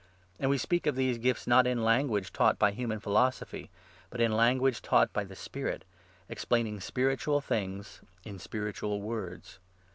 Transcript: And we speak of these gifts, not in Ian 13 guage taught by human philosophy, but in language taught by the Spirit, explaining spiritual things in spiritual words.